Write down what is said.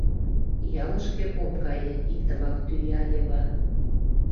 Ялышке ом кае, — иктымак тӱя Йыван.